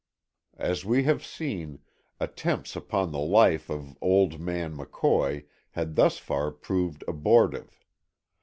As we have seen, attempts upon the life of old man McCoy had thus far proved abortive.